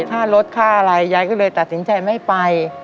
ค่ารถค่าอะไรยายก็เลยตัดสินใจไม่ไป